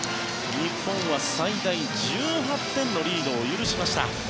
日本は最大１８点のリードを許しました。